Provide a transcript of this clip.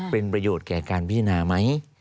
เป็นประโยชน์แก่การพิจารณาไหม